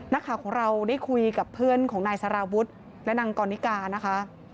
นักข่าวของเราได้คุยกับเพื่อนของนายสารวุฒิและนางกรณิกานะคะ